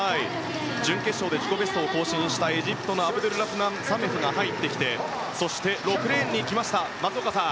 準決勝で自己ベストを更新したエジプトのアブドゥルラフマン・サメフが入ってきてそして、６レーンには松岡さん